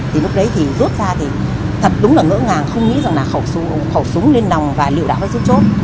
thì lúc đấy thì rút ra thì thật đúng là ngỡ ngàng không nghĩ rằng là khẩu súng lên lòng và liệu đạo ra giúp chốt